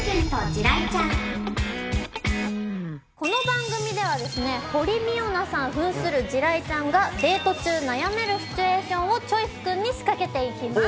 この番組では堀未央奈さん扮する地雷ちゃんがデート中悩めるシチュエーションをチョイス君に仕掛けて行きます。